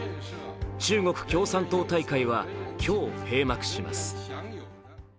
中国共産党大会は今日閉幕します。